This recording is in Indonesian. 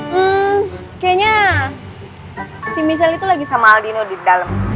hmm kayaknya si missele itu lagi sama aldino di dalam